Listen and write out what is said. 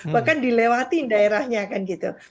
bahkan dilewati daerahnya kan gitu